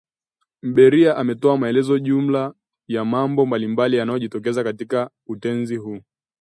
Mberia, ametoa maelezo jumla ya mambo mbalimbali yanayojitokeza katika utenzi huu